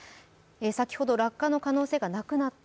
先ほど落下の可能性がなくなった。